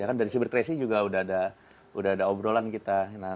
ya kan dari super crazy juga sudah ada obrolan kita